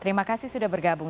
terima kasih sudah bergabung